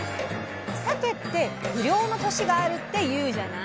さけって不漁の年があるって言うじゃない。